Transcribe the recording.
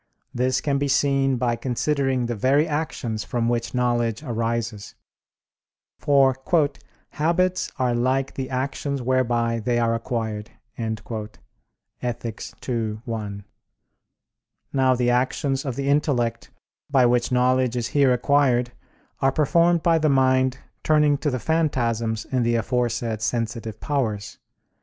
This can be seen by considering the very actions from which knowledge arises. For "habits are like the actions whereby they are acquired" (Ethic. ii, 1). Now the actions of the intellect, by which knowledge is here acquired, are performed by the mind turning to the phantasms in the aforesaid sensitive powers.